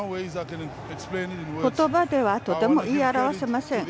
言葉ではとても言い表せられません。